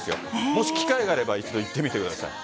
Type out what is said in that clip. もし機会があれば一度、行ってみてください。